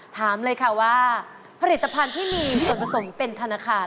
ถามเลยค่ะว่าผลิตภัณฑ์ที่มีส่วนผสมเป็นธนาคาร